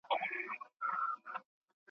دا په وينو روزل سوي `